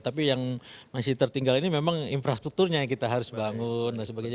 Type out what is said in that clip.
tapi yang masih tertinggal ini memang infrastrukturnya yang kita harus bangun dan sebagainya